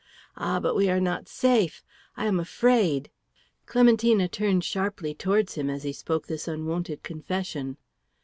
Ah, but we are not safe! I am afraid!" Clementina turned sharply towards him as he spoke this unwonted confession.